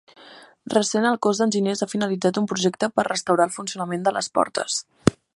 Recent el Cos d'Enginyers ha finalitzat un projecte per restaurar el funcionament de les portes.